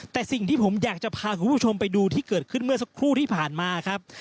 แต่สิ่งที่ผมอยากจะพาคุณผู้ชมไปดูที่เกิดขึ้นเมื่อสักครู่ที่ผ่านมาครับ